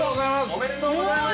◆おめでとうございます。